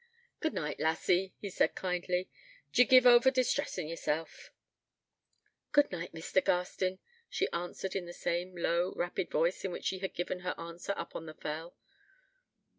'Good night, lassie,' he said kindly. 'Do ye give ower distressin' yeself.' 'Good night, Mr. Garstin,' she answered, in the same low, rapid voice in which she had given him her answer up on the fell.